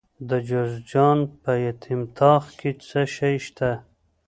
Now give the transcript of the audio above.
د جوزجان په یتیم تاغ کې څه شی شته؟